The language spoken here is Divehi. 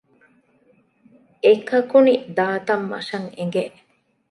އެ ކަކުނި ދާ ތަން މަށަށް އެނގެ